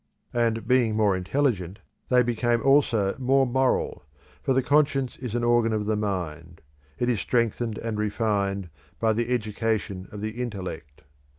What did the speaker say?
And being more intelligent, they became also more moral, for the conscience is an organ of the mind; it is strengthened and refined by the education of the intellect.